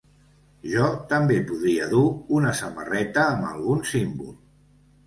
Jo també podria dur una samarreta amb algun símbol.